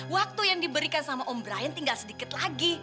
waktu yang diberikan sama om brian tinggal sedikit lagi